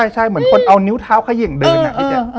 ใช่เหมือนคนเอานิ้วเท้าขยิ่งเดินอีกอย่างนี้